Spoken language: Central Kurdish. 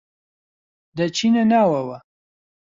دەچینە ناوەوە.